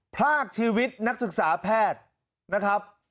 พรากชีวิตนักศึกษาแพทย์นะครับ